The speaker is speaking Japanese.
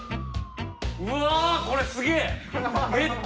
うわこれすげえ！